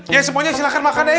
ya semuanya silahkan makan ya